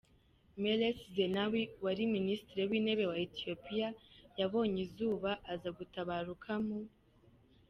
Meles Zenawi, wari minisitiri w’intebe wa Ethiopia yabonye izuba aza gutabaruka mu .